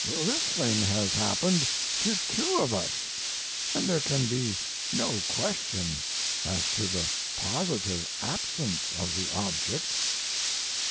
This thing has happened to two of us, and there can be no question as to the positive absence of the object."